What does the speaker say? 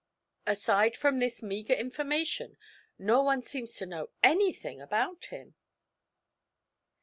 Aside from this meager information, no one seems to know anything about him."